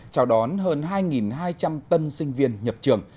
chào đón hơn hai hai trăm linh tân sinh viên nhập trường